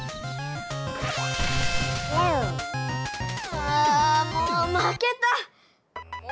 ああもう負けた！